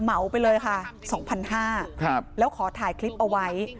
เหมาไปเลยค่ะสองพันห้าครับแล้วขอถ่ายคลิปเอาไว้